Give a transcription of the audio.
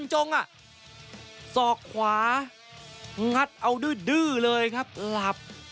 หละ